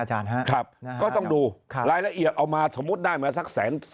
อาจารย์ครับก็ต้องดูรายละเอียดเอามาสมมุติได้มาสักแสน